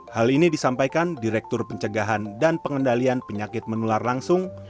hal ini disampaikan direktur pencegahan dan pengendalian penyakit menular langsung